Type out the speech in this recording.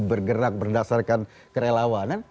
bergerak berdasarkan kerelawanan